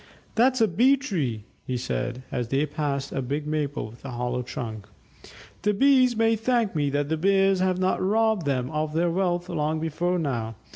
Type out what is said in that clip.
"That's a Bee tree," he said, as they passed a big maple with a hollow trunk. "The Bees may thank me that the Bears have not robbed them of their wealth long before now.